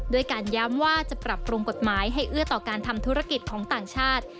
ด้วยการย้ำว่าจะปรับปรุงกฎหมายให้เอื้อต่อการทำธุรกิจของต่างชาติ